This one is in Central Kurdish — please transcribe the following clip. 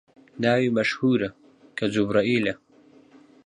ناوی مەشهوورە، کە جوبرەئیلە